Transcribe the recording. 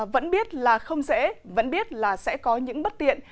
vẫn biết là không dễ vẫn biết là sẽ có những bất tiện